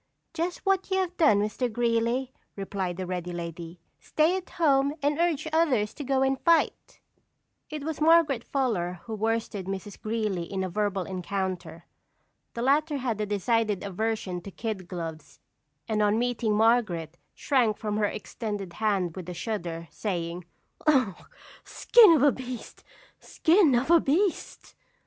"Just what you have done, Mr. Greeley," replied the ready lady; "stay at home and urge others to go and fight!" It was Margaret Fuller who worsted Mrs. Greeley in a verbal encounter. The latter had a decided aversion to kid gloves, and on meeting Margaret shrank from her extended hand with a shudder, saying: "Ugh! Skin of a beast! skin of a beast!"